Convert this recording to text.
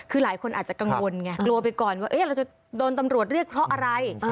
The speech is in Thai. คือหลายคนอาจจะกังวลไงกลัวไปก่อนว่าเราจะโดนตำรวจเรียกเพราะอะไร